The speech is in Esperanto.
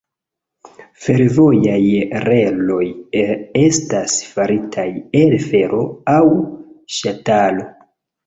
Fervojaj reloj estas faritaj el fero aŭ ŝtalo.